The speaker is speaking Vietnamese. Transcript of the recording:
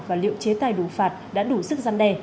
và liệu chế tài đủ phạt đã đủ sức giăn đè